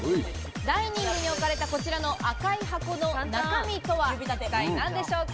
ダイニングに置かれた、こちらの赤い箱の中身とは一体何でしょうか。